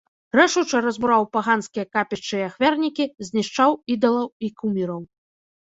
Рашуча разбураў паганскія капішчы і ахвярнікі, знішчаў ідалаў і куміраў.